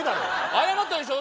謝ったでしょ！